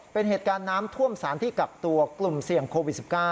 เป็นเหตุการณ์น้ำท่วมสารที่กักตัวกลุ่มเสี่ยงโควิด๑๙